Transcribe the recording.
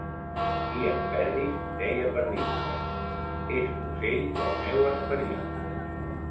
I en Perdis deia per dintre: És l'ocell del meu esperit.